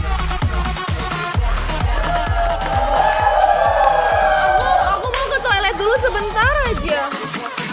gue gue kayak di penjara tinggal sama orang yang nyebelin